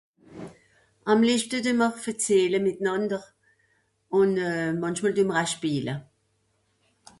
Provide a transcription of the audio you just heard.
àm lebschte dùm'r verzähle mìtnànder ùn euh mànchmòl dùm'r euj schpeele